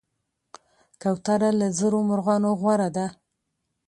کوتره له زرو مرغانو غوره ده.